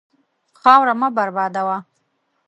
خاوره مه بربادوه.